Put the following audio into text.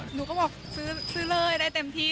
หนูก็บอกซื้อเลยได้เต็มที่